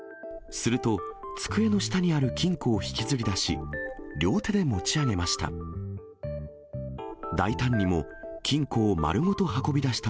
すると、机の下にある金庫を引きずりだし、両手で持ち上げました。